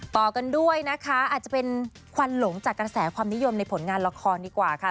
ต่อกันด้วยนะคะอาจจะเป็นควันหลงจากกระแสความนิยมในผลงานละครดีกว่าค่ะ